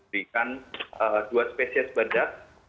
berikan dua spesies badak